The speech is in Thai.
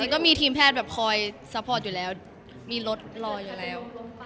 ก็มีทีมแพทย์แบบคอยซัพพอร์ตอยู่แล้วมีรถรออยู่แล้ว